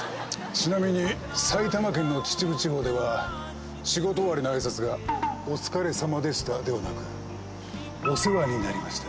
ちなみに埼玉県の秩父地方では仕事終わりの挨拶が「お疲れさまでした」ではなく「お世話になりました」。